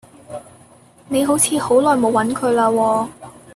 你好似好耐冇揾佢啦喎